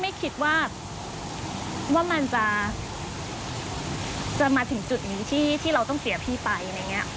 ไม่คิดว่ามันจะมาถึงจุดนี้ที่เราต้องเสียพี่ไปอะไรอย่างนี้